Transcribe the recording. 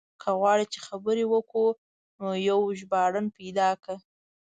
که غواړې چې خبرې وکړو نو يو ژباړن پيدا کړه.